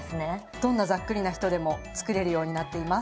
どんなざっくりな人でも作れるようになっています。